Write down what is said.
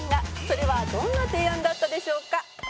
「それはどんな提案だったでしょうか？」